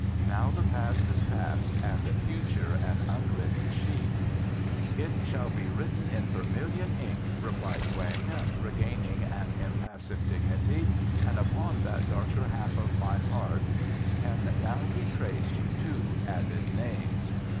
Now the past is past and the future an unwritten sheet." "It shall be written in vermilion ink," replied Weng, regaining an impassive dignity; "and upon that darker half of my heart can now be traced two added names."